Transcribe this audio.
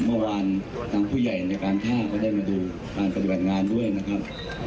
เมื่อวานทางผู้ใหญ่ในการท่าก็ได้มาดูการปฏิบัติงานด้วยนะครับ